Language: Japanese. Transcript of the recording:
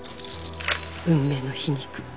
「運命の皮肉。